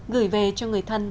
gửi về cho người thân của họ